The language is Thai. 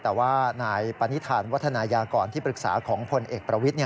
แต่ว่านายปณิธานวัฒนายากรที่ปรึกษาของพลเอกประวิทธิ